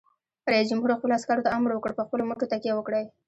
رئیس جمهور خپلو عسکرو ته امر وکړ؛ په خپلو مټو تکیه وکړئ!